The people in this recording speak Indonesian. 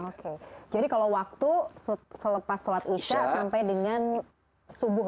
jadi kalau waktu selepas salat isya sampai dengan subuh ya